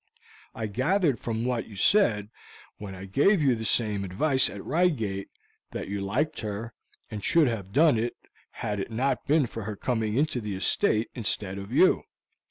I gathered from what you said when I gave you the same advice at Reigate that you liked her and should have done it had it not been for her coming into the estate instead of you.